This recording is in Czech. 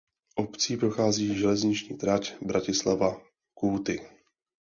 Obcí prochází železniční trať Bratislava–Kúty.